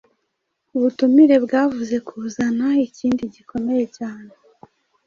Ubutumire bwavuze kuzana ikindi gikomeye cyawe.